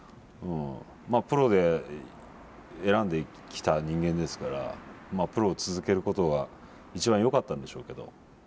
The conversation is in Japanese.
プロで選んできた人間ですからまあプロを続けることが一番よかったんでしょうけど。